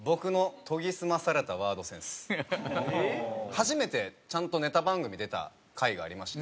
初めてちゃんとネタ番組出た回がありまして。